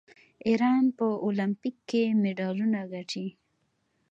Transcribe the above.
ایران په المپیک کې مډالونه ګټي.